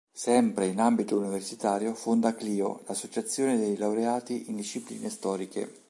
Sempre in ambito universitario, fonda Clio, l’Associazione dei Laureati in Discipline Storiche.